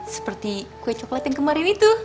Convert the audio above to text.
seperti kue coklat yang kemarin itu